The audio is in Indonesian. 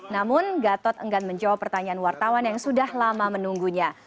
namun gatot enggan menjawab pertanyaan wartawan yang sudah lama menunggunya